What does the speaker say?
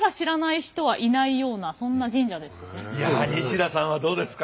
あのいや西田さんはどうですか？